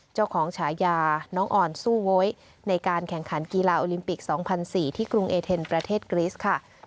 ฉายาน้องออนสู้โว๊ยในการแข่งขันกีฬาโอลิมปิก๒๐๐๔ที่กรุงเอเทนประเทศกรีสค่ะ